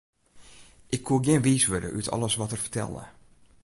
Ik koe gjin wiis wurde út alles wat er fertelde.